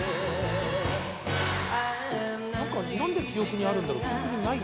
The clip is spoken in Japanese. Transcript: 何で記憶にあるんだろう？